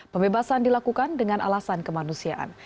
pembebasan dilakukan dengan alasan kemanusiaan